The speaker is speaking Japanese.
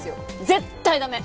絶対駄目！